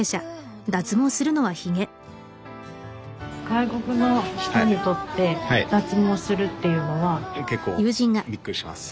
外国の人にとって脱毛するっていうのは。